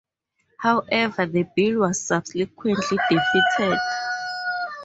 However the bill was subsequently defeated.